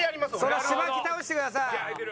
それはしばき倒してください。